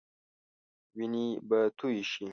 وينې به تويي شي.